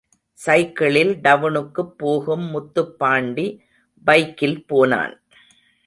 சைக்கிளில் டவுனுக்குப் போகும் முத்துப்பாண்டி பைக்கில் போனான்.